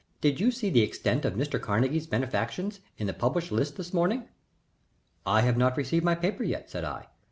"Did you see the extent of Mr. Carnegie's benefactions in the published list this morning?" "I have not received my paper yet," said I.